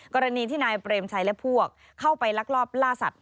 กรณีที่นายเปรมชัยและพวกเข้าไปลักลอบล่าสัตว